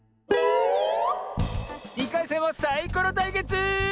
２かいせんはサイコロたいけつ！